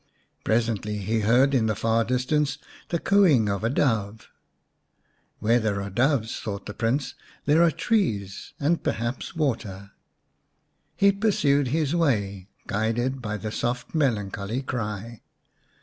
Presently he heard in the far distance the cooing of a dove. " Where there are doves," thought the Prince, "there are trees and perhaps water." He pursued his way, guided by the soft melancholy cry.